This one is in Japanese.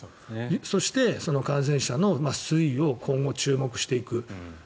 そして、感染者の推移を今後注目していく。